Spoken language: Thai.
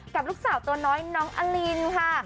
กับลูกสาวตัวน้อยน้องอลินค่ะ